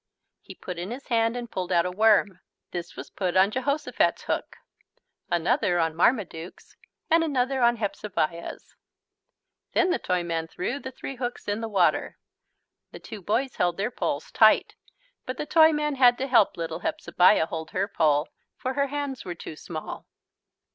He put in his hand and pulled out a worm. This was put on Jehosophat's hook, another on Marmaduke's, and another on Hepzebiah's. Then the Toyman threw the three hooks in the water. The two boys held their poles tight but the Toyman had to help little Hepzebiah hold her pole, for her hands were too small.